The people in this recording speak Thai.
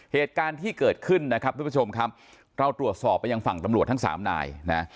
เหตุการณ์ที่เกิดขึ้นนะครับทุกผู้ชมครับเราตรวจสอบไปยังฝั่งตำรวจทั้งสามนายนะ